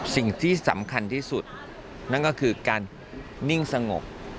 สิ่งที่สำคัญที่สุดนั่นก็คือการนิ่งสงบ